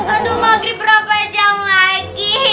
aduh masih berapa jam lagi